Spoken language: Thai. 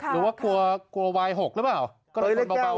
หรือว่ากลัววายหกหรือเปล่า